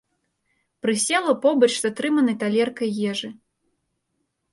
Прысела побач з атрыманай талеркай ежы.